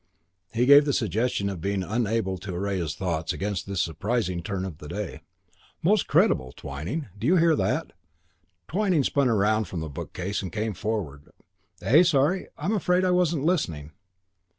He gave the suggestion of being unable to array his thoughts against this surprising turn of the day. "Most creditable. Twyning, do you hear that?" Twyning spun around from the bookcase and came forward. "Eh? Sorry, I'm afraid I wasn't listening."